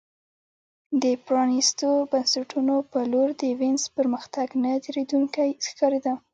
د پرانیستو بنسټونو په لور د وینز پرمختګ نه درېدونکی ښکارېده